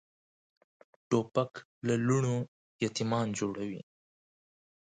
توپک له لوڼو یتیمان جوړوي.